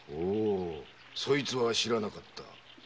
そいつは知らなかった。